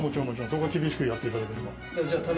そこは厳しくやっていただければ。